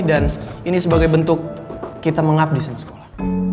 dan ini sebagai bentuk kita mengabdi sama sekolah